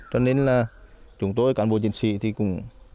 cho nên là chúng tôi cán bộ chiến sĩ thì cũng